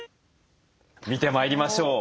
見てまいりましょう。